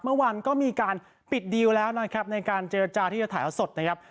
เมื่อวานก็มีการปิดดีลแล้วนะครับในการเจรจาที่จะถ่ายสดนะครับ